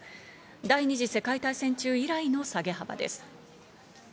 第２次世界大戦中以来の下げ幅です。